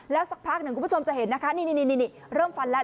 แล้วสักพักหนึ่งคุณผู้ชมจะเห็นนะคะนี่เริ่มฟันแล้ว